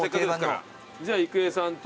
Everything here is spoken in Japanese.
じゃあ郁恵さんと。